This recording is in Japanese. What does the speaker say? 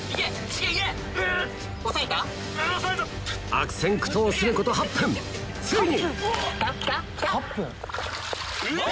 悪戦苦闘すること８分ついに！